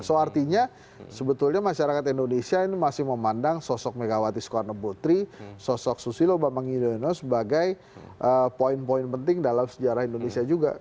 so artinya sebetulnya masyarakat indonesia ini masih memandang sosok megawati soekarno putri sosok susilo bambang yudhoyono sebagai poin poin penting dalam sejarah indonesia juga